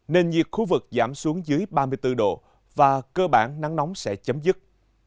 nền nhiệt khu vực giảm xuống dưới ba mươi bốn độ và cơ bản nắng nóng sẽ chấm dứt